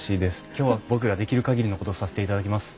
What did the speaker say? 今日は僕ができる限りのことをさせていただきます。